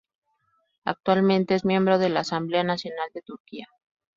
Actualmente es miembro de la Asamblea Nacional de Turquía.